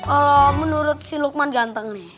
kalau menurut si lukman ganteng nih